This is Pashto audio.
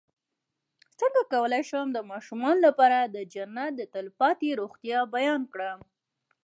څنګه کولی شم د ماشومانو لپاره د جنت د تل پاتې روغتیا بیان کړم